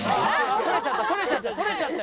取れちゃった取れちゃった！